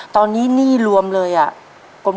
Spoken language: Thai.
ตอนนี้หนี้รวมเลยอ่ะ